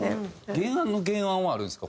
原案の原案はあるんですか？